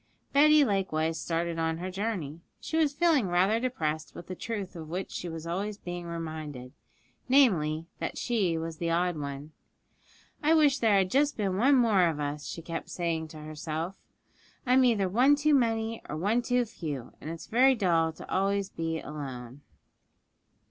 Betty likewise started on her journey. She was feeling rather depressed with the truth of which she was always being reminded namely, that she was the odd one. 'I wish there had just been one more of us,' she kept saying to herself; 'I'm either one too many or one too few, and it's very dull to be always alone.'